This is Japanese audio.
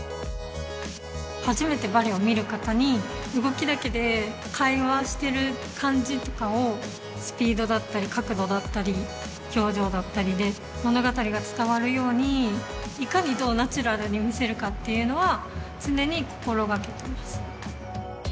初めてバレエを見る方に動きだけで会話してる感じとかをスピードだったり角度だったり表情だったりで物語が伝わるようにいかにどうナチュラルに見せるかっていうのは常に心掛けています